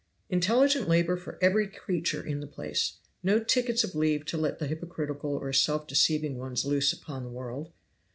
"Intelligent labor for every creature in the place. No tickets of leave to let the hypocritical or self deceiving ones loose upon the world.